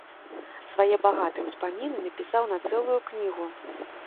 Свае багатыя ўспаміны напісаў на цэлую кнігу.